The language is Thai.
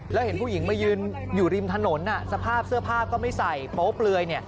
แล้วเห็นผู้หญิงมายืนอยู่ริมถนนสภาพเสื้อผ้าก็ไม่ใส่โป๊เปลือย